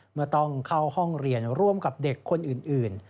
เมื่อต้องเข้าห้องเรียนร่วมกับเด็กคนอื่น